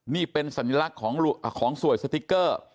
นี่เป็นสัญลักษณ์ของสวยสติ๊กเกอร์